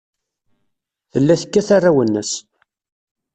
Tella tekkat arraw-nnes.